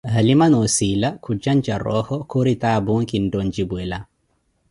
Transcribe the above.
Halima noo ossila khuntjantja roho, khuri taapoh kinttha ontjipwela